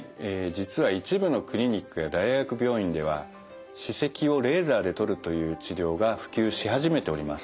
実は一部のクリニックや大学病院では歯石をレーザーで取るという治療が普及し始めております。